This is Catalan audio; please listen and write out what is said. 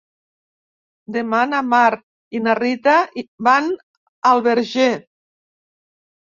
Demà na Mar i na Rita van al Verger.